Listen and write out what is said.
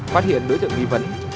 phát hiện đối tượng nghi vấn